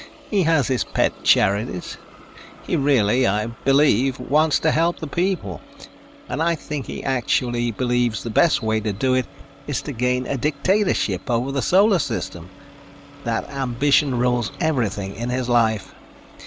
He has his pet charities. He really, I believe, wants to help the people. And I think he actually believes the best way to do it is to gain a dictatorship over the Solar System. That ambition rules everything in his life.